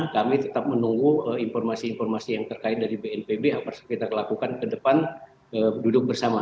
kami tetap menunggu informasi informasi yang terkait dari bnpb yang harus kita lakukan ke depan duduk bersama